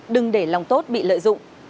đừng để lòng tốt bị lợi dụng